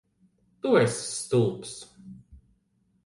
Tu esi stulbs?